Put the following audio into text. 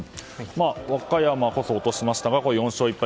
和歌山こそ落としましたが４勝１敗。